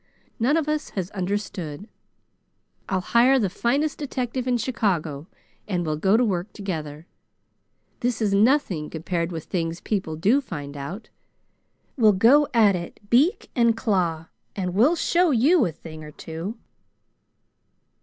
None of us has understood. I'll hire the finest detective in Chicago, and we'll go to work together. This is nothing compared with things people do find out. We'll go at it, beak and claw, and we'll show you a thing or two."